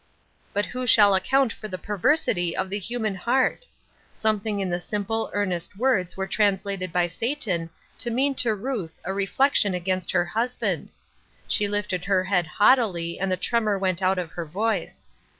But who shall account for the perversity of the human heart ? Something in the simple, earnest words were translated by Satan to mean to Ruth a reflection against her husband. She lifted her head haughtily and the tremor went out of her voice.